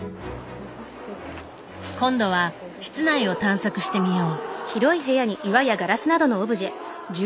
今度は室内を探索してみよう。